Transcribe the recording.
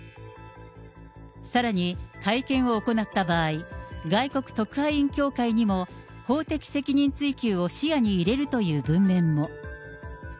さらに、会見を行った場合、外国特派員協会にも法的責任追及を視野に入れるという文面も。